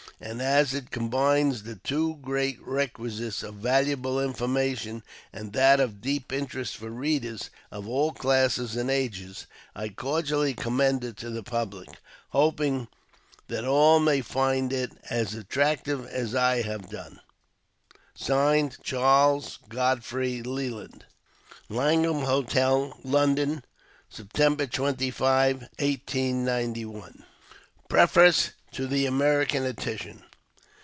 And as it combines the two great NEW ENGLISH EDITION. 15 requisites of valuable information and that of deep interest for readers of all classes and ages, I cordially commend it to the public, hoping that all may find it as attractive as I have done. CHAKLES GODFKEY LELAND. Langham Hotel, London. September 25, 1891. PEEFACE TO THE AMEEICAN EDITION.